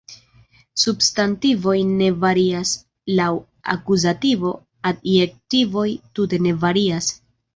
Substantivoj ne varias laŭ akuzativo, adjektivoj tute ne varias.